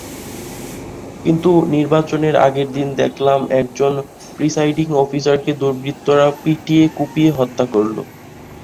কিন্তু নির্বাচনের আগের দিন দেখলাম একজন প্রিসাইডিং অফিসারকে দুর্বৃত্তরা পিটিয়ে-কুপিয়ে হত্যা করল।